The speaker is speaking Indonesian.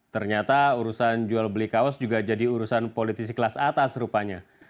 ternyata urusan jual beli kaos juga jadi urusan politisi kelas atas rupanya